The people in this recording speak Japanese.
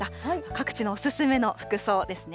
各地のお勧めの服装ですね。